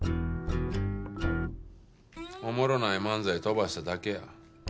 おもろない漫才飛ばしただけや。